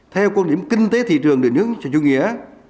theo quan điểm kinh tế thị trường đối với chủ nghĩa